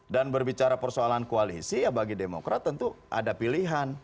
dan berbicara persoalan koalisi ya bagi demokrat tentu ada pilihan